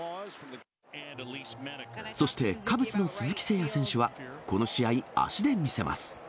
そしてカブスの鈴木誠也選手は、この試合、足で魅せます。